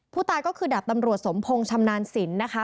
ผู้ตายก็คือดาบตำรวจสมพงศ์ชำนาญสินนะคะ